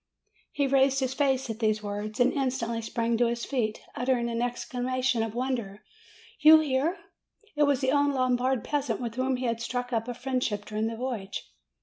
He raised his face at these words, and instantly sprang to his feet, uttering an exclamation of wonder; "You here!" It was the old Lombard peasant with whom he had struck up a friendship during the voyage.